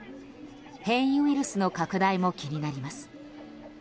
変異ウイルスの拡大も気になります。